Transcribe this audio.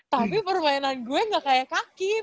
tapi permainan gue gak kayak kak kim